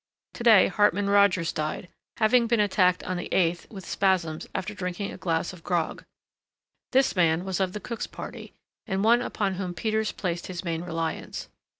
To day Hartman Rogers died, having been attacked on the eighth with spasms after drinking a glass of grog. This man was of the cook's party, and one upon whom Peters placed his main reliance.